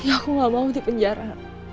aku nggak mau dipenjara